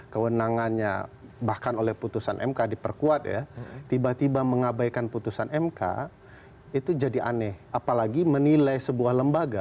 kewenangannya bahkan oleh putusan mk diperkuat ya tiba tiba mengabaikan putusan mk itu jadi aneh